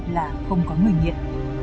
là không có người nghiện